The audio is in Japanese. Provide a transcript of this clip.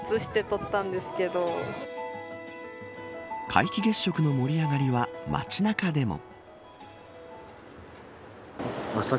皆既月食の盛り上がりは街中でも。